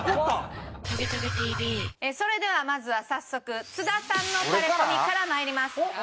それではまずは早速津田さんのタレコミから参ります。